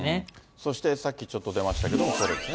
そしてさっきちょっと出ましたけれども、これですね。